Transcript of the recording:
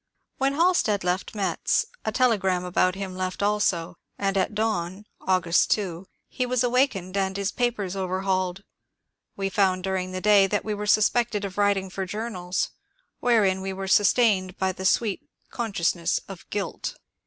When Halstead left Metz a telegram about him left also, and at dawn (August 2) he was awakened and his papers overhauled. We found during the day that we were suspected of writing for journals ; wherein we were sustained by the sweet .consciousness of guilt.